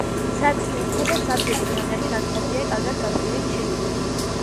სატრიუმფო და საბჯენი თაღები ნაწყობია კარგად გათლილი შირიმით.